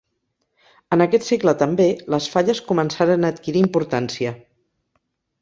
En aquest segle també, les Falles començaren a adquirir importància.